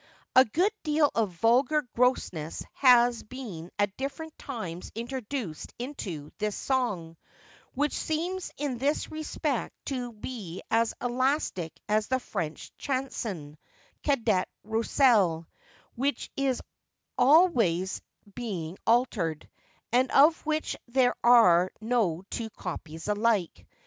A good deal of vulgar grossness has been at different times introduced into this song, which seems in this respect to be as elastic as the French chanson, Cadet Rouselle, which is always being altered, and of which there are no two copies alike.